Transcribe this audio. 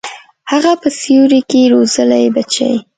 هغه په سیوري کي روزلي بچي